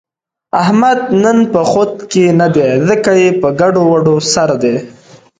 احمد نن په خود کې نه دی، ځکه یې په ګډوډو سر دی.